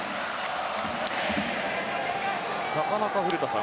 なかなか古田さん